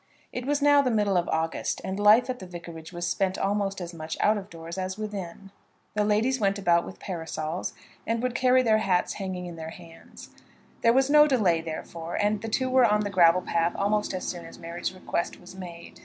It was now the middle of August, and life at the vicarage was spent almost as much out of doors as within. The ladies went about with parasols, and would carry their hats hanging in their hands. There was no delay therefore, and the two were on the gravel path almost as soon as Mary's request was made.